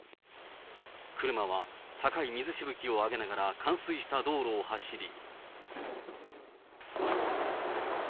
車は高い水しぶきを上げながら、冠水した道路を走り。